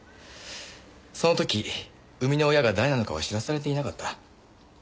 その時産みの親が誰なのかは知らされていなかった。